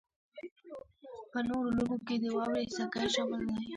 په نورو لوبو کې د واورې سکی شامل دی